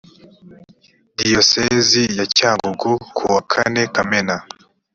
diyosezi ya cyangugu e e r dc kuwa kane kamena